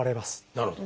なるほど。